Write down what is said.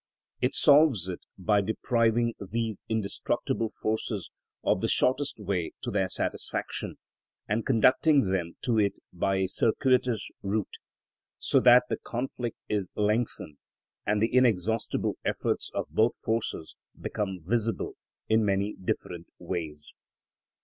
It solves it by depriving these indestructible forces of the shortest way to their satisfaction, and conducting them to it by a circuitous route, so that the conflict is lengthened and the inexhaustible efforts of both forces become visible in many different ways.